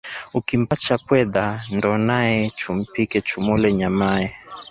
Ukimpacha pwedha ndo nae chumpike chumule nyamae